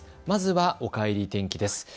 まずはおかえり天気です。